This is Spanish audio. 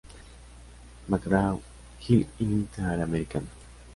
Mcgraw-Hill Interamericana.